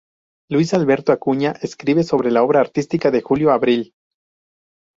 Luis Alberto Acuña escribe sobre la obra artística de Julio Abril.